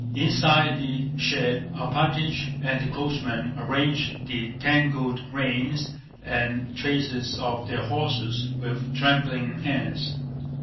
Inside the shed Alpátych and the coachman arranged the tangled reins and traces of their horses with trembling hands.